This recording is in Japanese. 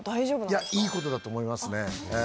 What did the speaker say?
いや、いいことだと思いますね。